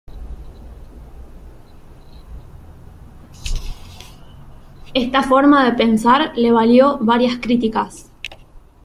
Esta forma de pensar le valió varias críticas.